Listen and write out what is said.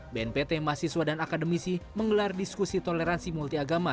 bnpt mahasiswa dan akademisi menggelar diskusi toleransi multiagama